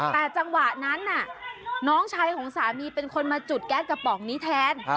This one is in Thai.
แต่จังหวะนั้นน่ะน้องชายของสามีเป็นคนมาจุดแก๊สกระป๋องนี้แทน